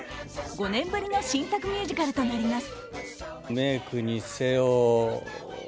５年ぶりの新作ミュージカルとなります。